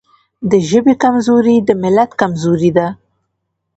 د ژبې کمزوري د ملت کمزوري ده.